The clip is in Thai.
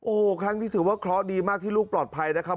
โอ้โหครั้งนี้ถือว่าเคราะห์ดีมากที่ลูกปลอดภัยนะครับ